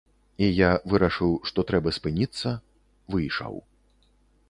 І я вырашыў што трэба спыніцца, выйшаў.